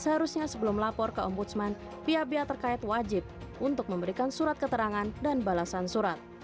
seharusnya sebelum melapor ke ombudsman pihak pihak terkait wajib untuk memberikan surat keterangan dan balasan surat